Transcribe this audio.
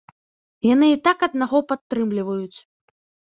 Яны і так аднаго падтрымліваюць.